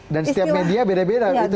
dan setiap media beda beda gitu